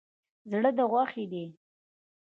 زړه ده غوښی دی